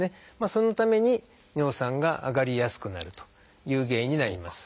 そのために尿酸が上がりやすくなるという原因になります。